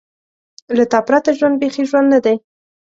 له تا پرته ژوند بېخي ژوند نه دی.